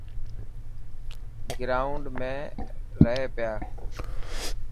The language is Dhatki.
گرائونڊ ۾ رهي پيا.